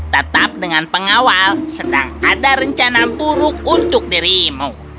tetap dengan pengawal sedang ada rencana buruk untuk dirimu